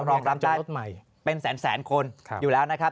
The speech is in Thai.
รองรับได้เป็นแสนคนอยู่แล้วนะครับ